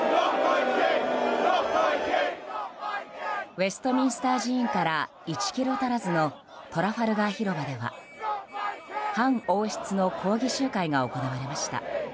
ウェストミンスター寺院から１ｋｍ足らずのトラファルガー広場では反王室の抗議集会が行われました。